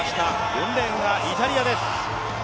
４レーンはイタリアです。